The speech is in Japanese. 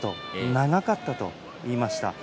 長かったと言いました。